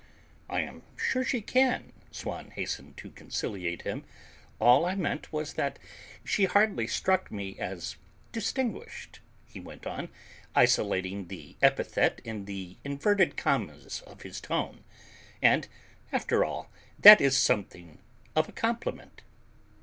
"I am sure she can," Swann hastened to conciliate him. "All I meant was that she hardly struck me as 'distinguished,'" he went on, isolating the epithet in the inverted commas of his tone, "and, after all, that is something of a compliment."